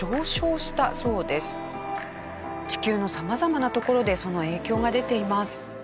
地球の様々な所でその影響が出ています。